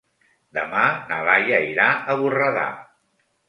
Demà na Laia irà a Borredà.